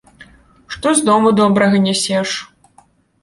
Што з дому добрага нясеш?